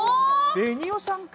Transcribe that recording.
ベニオさんか。